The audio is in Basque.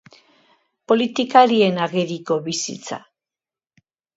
Politikarien ageriko bizitza.